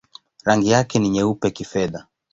Rangi yake ni nyeupe-kifedha.